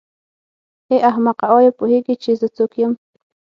ای احمقه آیا پوهېږې چې زه څوک یم.